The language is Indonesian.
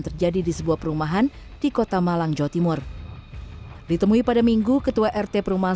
terjadi di sebuah perumahan di kota malang jawa timur ditemui pada minggu ketua rt perumahan